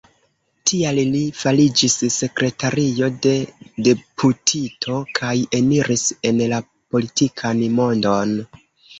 Tial li fariĝis sekretario de deputito, kaj eniris en la politikan mondon.